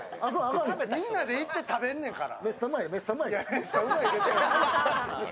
みんなで行って食べんやから。